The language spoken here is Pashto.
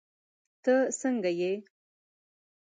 تہ سنګه یی